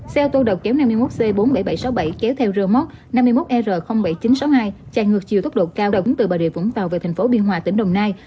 xe ô tô độc kéo năm mươi một c bốn mươi bảy nghìn bảy trăm sáu mươi bảy kéo theo rơ móc năm mươi một r bảy nghìn chín trăm sáu mươi hai chạy ngược chiều tốc độ cao đóng từ bà rịa vũng tàu về thành phố biên hòa tỉnh đồng nai